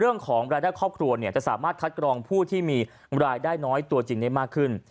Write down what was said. เรื่องของรายได้ครอบครัวเนี่ยจะสามารถคัดกรองผู้ที่มีรายได้น้อยตัวจริงได้มากขึ้น